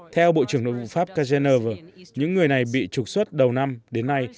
theo bộ trưởng nội vụ pháp kazeneva những người này bị trục xuất đầu năm đến nay